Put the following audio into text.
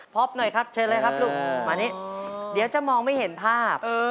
หน่อยครับเชิญเลยครับลูกมานี้เดี๋ยวจะมองไม่เห็นภาพ